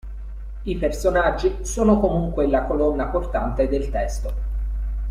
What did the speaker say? I personaggi sono comunque la colonna portante del testo.